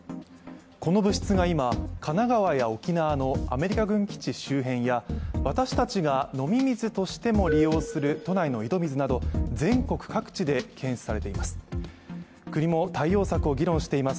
この物質が今、神奈川や沖縄のアメリカ軍基地周辺や、私たちが飲み水としても利用する都内の井戸水など全国各地で検出されています。